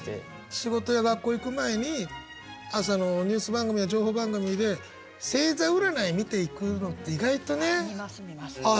仕事や学校行く前に朝のニュース番組や情報番組で星座占い見ていくのって意外とねああ